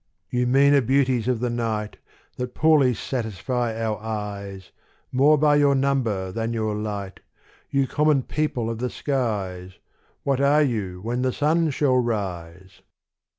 You meaner Beauties of the Night, That poorly satisfie our Eies, More by your number, than your light, You Common people of the Skies ; What are you when the Sun shall rise